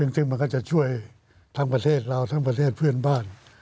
ซึ่งมันก็จะช่วยทั้งประเทศเราทั้งประเทศเพื่อนบ้าน